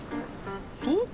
そうか？